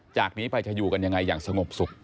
จากนี้ไปจะอยู่กันยังไงอย่างสงบสุข